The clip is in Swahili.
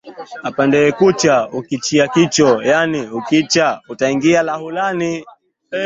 Apendae kucha ukichia kicho yani ukicha utangia lahaulani.